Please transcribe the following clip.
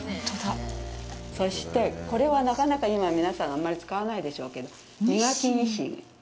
そして、これはなかなか今皆さんあんまり使わないでしょうけど身欠きニシン。